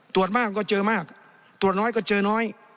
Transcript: ตรวจบ้างก็เจอมากตรวจน้อยก็เจอน้อย